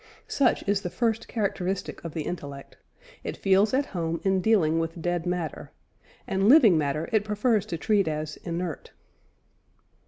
Such is the first characteristic of the intellect: it feels at home in dealing with dead matter, and living matter it prefers to treat "as inert."